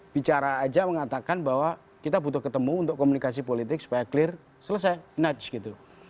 nah saya juga sudah mengatakan bahwa kita butuh ketemu untuk komunikasi politik supaya clear selesai nudge gitu